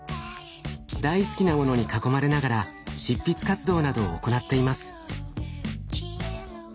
大好きなものに囲まれながら執筆活動などを行っています。